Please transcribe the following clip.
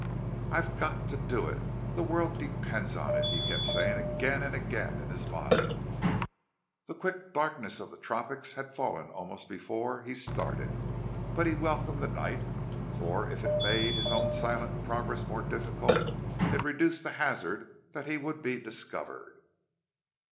"I've got to do it! The world depends on it!" he kept saying again and again in his mind. The quick darkness of the tropics had fallen almost before he started. But he welcomed the night, for, if it made his own silent progress more difficult, it reduced the hazard that he would be discovered.